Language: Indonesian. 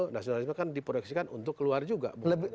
nasionalisme kan diproyeksikan untuk keluar juga